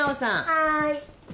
はい。